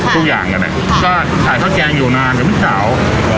ก็สาดพิจัยมาพี่สาว